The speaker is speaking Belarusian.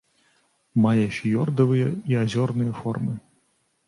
Мае фіёрдавыя і азёрныя формы.